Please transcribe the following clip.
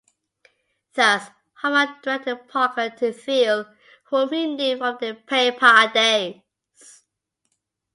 Thus, Hoffman directed Parker to Thiel, whom he knew from their PayPal days.